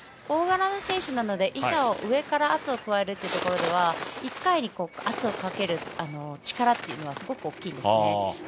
大柄な選手なので板に上から圧を加えるということでは１回で圧をかける力というのはすごく大きいです。